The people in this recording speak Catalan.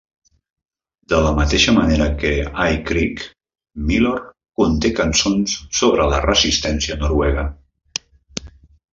De la mateixa manera que "I Krig", "Milorg" conté cançons sobre la resistència noruega.